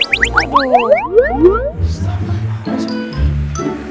ustadz nafis masuk